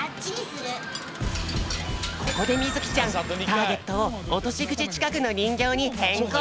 ここでみずきちゃんターゲットをおとしぐちちかくのにんぎょうにへんこう。